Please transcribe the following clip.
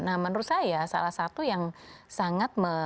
nah menurut saya salah satu yang sangat